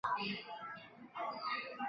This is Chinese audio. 首府加夫萨。